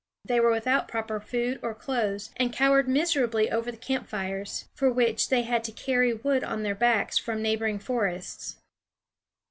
They were without proper food or clothes, and cowered miserably over camp fires, for which they had to carry wood on their backs from neighboring forests.